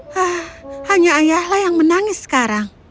hah hanya ayahlah yang menangis sekarang